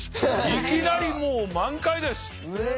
いきなりもう満開です。